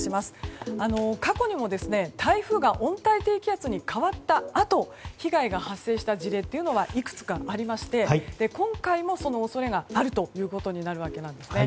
過去にも台風が温帯低気圧に変わったあと被害が発生した事例というのはいくつかありまして今回も、その恐れがあるということになるわけなんです。